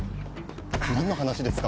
何の話ですか？